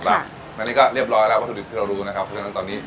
ใช่แล้วนี่ก็เรียบร้อยแล้วว่าสุดที่เรารู้นะครับเพราะฉะนั้นตอนนี้